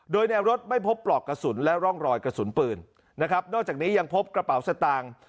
โดยในรถไม่พบปลอกกระสุนและร่องรอยกระสุนปืนนะครับนอกจากนี้ยังพบกระเป๋าสตางค์